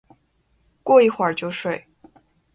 过一会就睡